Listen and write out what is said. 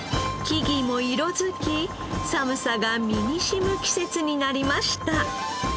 木々も色づき寒さが身に染む季節になりました。